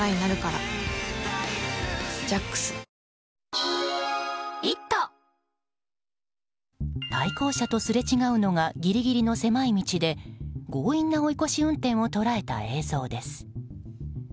新しくなった「午後の紅茶おいしい無糖」対向車とすれ違うのがギリギリの狭い道で強引な追い越し運転を捉えた映像です。